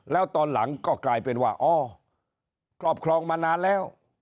แล้วตอนหลังก็กลายเป็นว่าอ๋อครอบครองมานานแล้ว